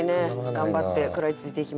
頑張って食らいついていきましょう。